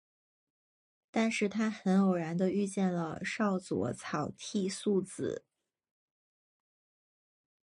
但是他很偶然地遇见了少佐草剃素子。